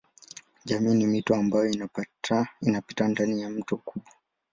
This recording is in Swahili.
Jamii ni mito ambayo inapita ndani ya mto mkubwa.